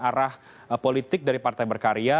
arah politik dari partai berkarya